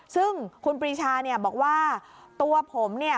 ซึ่งคุณปรีชาเนี่ยบอกว่าตัวผมเนี่ย